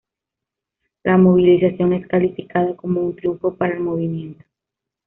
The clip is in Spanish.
La movilización es calificada como un triunfo para el movimiento.